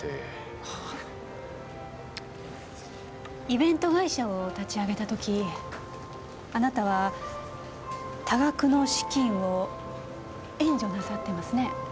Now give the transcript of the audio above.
イベント会社を立ち上げた時あなたは多額の資金を援助なさってますね？